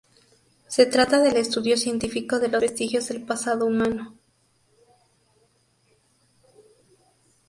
Se trata del estudio científico de los vestigios del pasado humano.